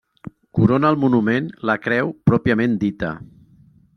Corona el monument la creu pròpiament dita.